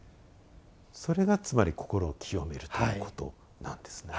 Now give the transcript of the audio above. それがつまり心を清めるということなんですね。